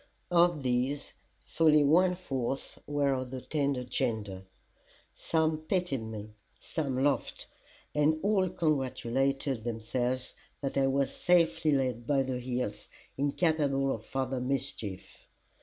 Of these, fully one fourth were of the tender gender; some pitied me, some laughed, and all congratulated themselves that I was safely laid by the heels, incapable of farther mischief.